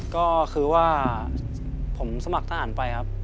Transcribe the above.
ก็คือว่าผมสมัครทหารไปครับ